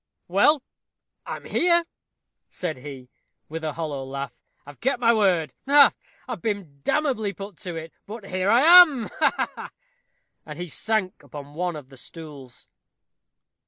"Well, I am here," said he, with a hollow laugh. "I've kept my word ha, ha! I've been damnably put to it; but here I am, ha, ha!" And he sank upon one of the stools.